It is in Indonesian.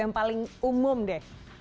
yang paling umum deh